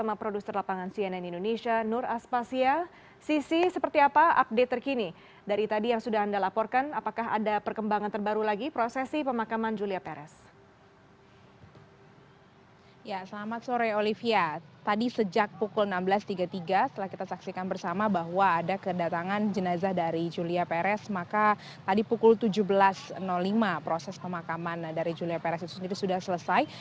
maka tadi pukul tujuh belas lima proses pemakaman dari julia perez itu sendiri sudah selesai